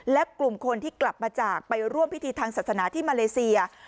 และกลุ่มคนที่กลับมาจากไปร่วมพิธีทางศาสนาที่มาเลเซีย